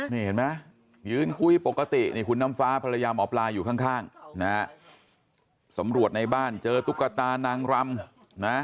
นี่เห็นไหมยืนคุยปกตินี่คุณน้ำฟ้าภรรยาหมอปลาอยู่ข้างนะฮะสำรวจในบ้านเจอตุ๊กตานางรำนะ